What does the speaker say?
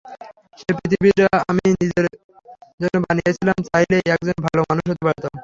যে পৃথিবীটা আমি নিজের জন্য বানিয়েছিলাম, চাইলেই, একজন ভালো মানুষ হতে পারতাম।